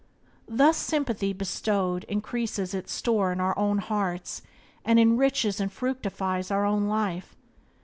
Thus sympathy bestowed increases its store in our own hearts, and enriches and fructifies our own life.